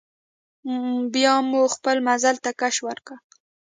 بیا مو خپل مزل ته کش ورکړ.